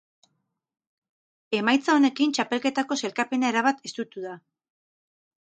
Emaitza honekin txapelketako sailkapena erabat estutu da.